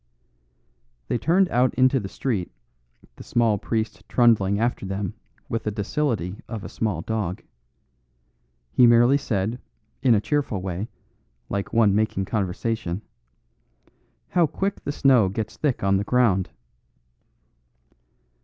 They turned out into the street, the small priest trundling after them with the docility of a small dog. He merely said, in a cheerful way, like one making conversation, "How quick the snow gets thick on the ground."